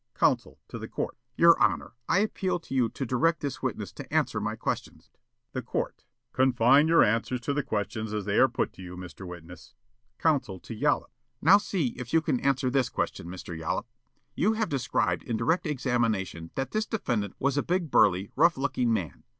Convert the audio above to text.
Counsel, to the court: "Your honor, I appeal to you to direct this witness to answer my questions " The Court: "Confine your answers to the questions as they are put to you, Mr. Witness." Counsel to Yollop: "Now see if you can answer this question, Mr. Yollop. You have described in direct examination that this defendant was a big, burly, rough looking man.